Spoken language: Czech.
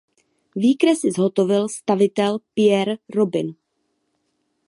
Výkresy zhotovil stavitel Pierre Robin.